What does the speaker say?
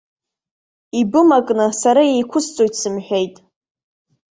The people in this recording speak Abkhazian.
Ибымакны, сара еиқәысҵоит сымҳәеит.